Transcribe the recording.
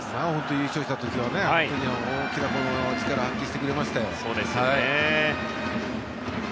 優勝した時は大きな力を発揮してくれましたよ。